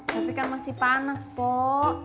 tapi kan masih panas pok